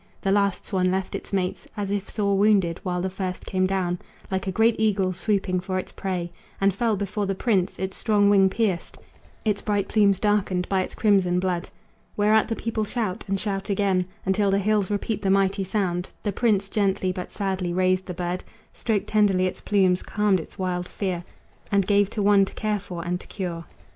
The last swan left its mates As if sore wounded, while the first came down Like a great eagle swooping for its prey, And fell before the prince, its strong wing pierced, Its bright plumes darkened by its crimson blood. Whereat the people shout, and shout again, Until the hills repeat the mighty sound. The prince gently but sadly raised the bird, Stroked tenderly its plumes, calmed its wild fear, And gave to one to care for and to cure.